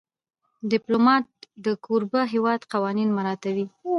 ډيپلومات د کوربه هېواد قوانین مراعاتوي.